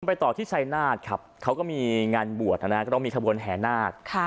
ไปต่อที่ชัยนาธครับเขาก็มีงานบวชนะฮะก็ต้องมีขบวนแห่นาค